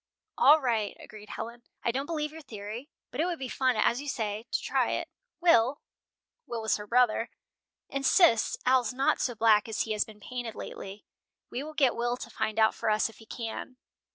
"All right," agreed Helen. "I don't believe your theory, but it would be fun, as you say, to try it. Will" Will was her brother "insists Al's not so black as he has been painted lately. We will get Will to find out for us if he can."